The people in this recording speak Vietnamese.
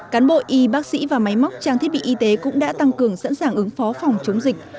cán bộ y bác sĩ và máy móc trang thiết bị y tế cũng đã tăng cường sẵn sàng ứng phó phòng chống dịch